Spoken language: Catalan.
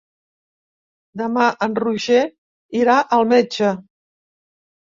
Demà en Roger irà al metge.